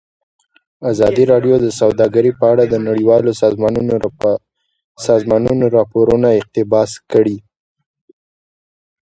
ازادي راډیو د سوداګري په اړه د نړیوالو سازمانونو راپورونه اقتباس کړي.